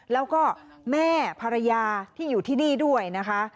แล้วก็แม่ภรรยาที่อยู่ที่นี่ด้วยนะคะ